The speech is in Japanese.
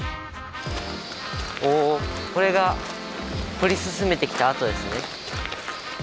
おこれが掘り進めてきた跡ですね。